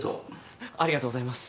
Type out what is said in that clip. ありがとうございます。